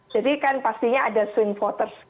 jadi kan pastinya ada swing voters